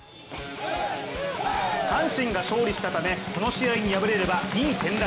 阪神が勝利したためこの試合に敗れれば２位転落。